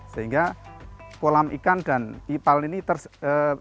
sehingga kolam ikan dan ipal ini tersedia